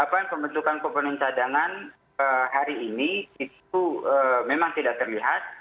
jadi apa yang pembentukan komponen cadangan hari ini itu memang tidak terlihat